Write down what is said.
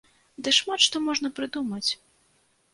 Ды шмат што можна прыдумаць!